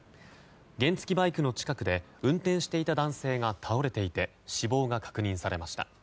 原付きバイクの近くで運転していた男性が倒れていて死亡が確認されました。